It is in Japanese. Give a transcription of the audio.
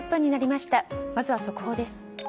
まずは速報です。